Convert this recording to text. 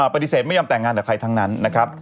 ปฏิเสธไม่ยอมแต่งงานกับใครทั้งนั้นนะครับ